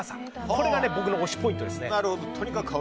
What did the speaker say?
これが僕の推しポイントです。